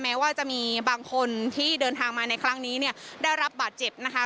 แม้ว่าจะมีบางคนที่เดินทางมาในครั้งนี้เนี่ยได้รับบาดเจ็บนะคะ